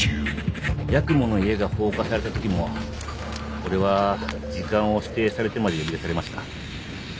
八雲の家が放火された時も俺は時間を指定されてまで呼び出されました。